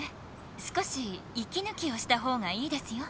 少しいきぬきをしたほうがいいですよ。